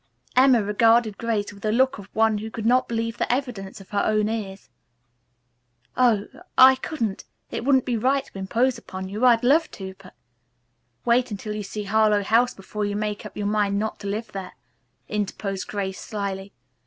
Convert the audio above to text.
Emma regarded Grace with a look of one who could not believe the evidence of her own ears. "Oh I couldn't it wouldn't be right to impose upon you. I'd love to, but " "Wait until you see Harlowe House before you make up your mind not to live there," interposed Grace slyly.